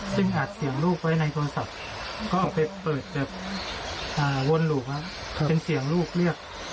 ซึ่งอัดเสียงลูกไว้ในโทรศัพท์ก็เอาไปเปิดแบบวนหลูบเป็นเสียงลูกเรียก